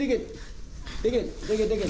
dikit dikit dikit